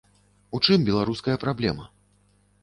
У чым беларуская праблема?